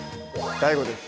ＤＡＩＧＯです。